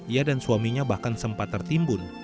ia dan suaminya bahkan sempat tertimbun